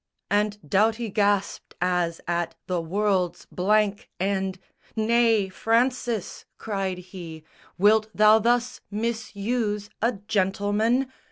And Doughty gasped as at the world's blank end, "Nay, Francis," cried he, "wilt thou thus misuse A gentleman?"